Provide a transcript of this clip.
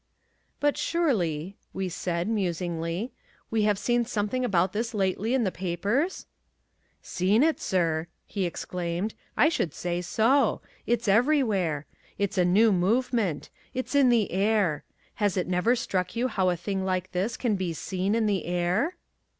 "But surely," we said, musingly, "we have seen something about this lately in the papers?" "Seen it, sir," he exclaimed, "I should say so. It's everywhere. It's a new movement. It's in the air. Has it never struck you how a thing like this can be seen in the air?"